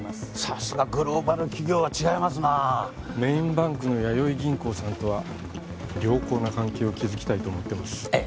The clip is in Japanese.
さすがグローバル企業は違いますなメインバンクのやよい銀行さんとは良好な関係を築きたいと思ってますええ